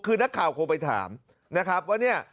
คือนักข่าวคงไปถามนะครับว่าเนี่ย